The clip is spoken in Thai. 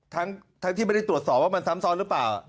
ทั้งที่ไม่ได้ตรวจสอบว่ามันซ้ำซ้อนหรือเปล่า